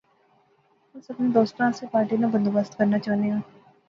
اس اپنے دوستاں آسے پارٹی ناں بندوبست کرنا چاہنے آں